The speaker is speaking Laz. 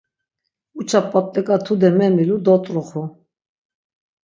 Uça p̆ot̆lika tude memilu , dot̆ruxu.